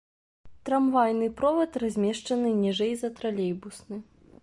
Трамвайны провад размешчаны ніжэй за тралейбусны.